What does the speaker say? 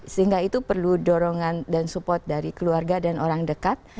sehingga itu perlu dorongan dan support dari keluarga dan orang dekat